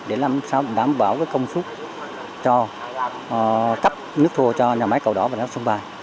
để làm sao đảm bảo công suất cho cấp nước thua cho nhà máy cầu đỏ và đá sông bài